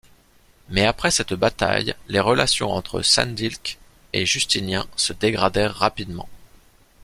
Mais après cette bataille, les relations entre Sandilkh et Justinien se dégradèrent rapidement.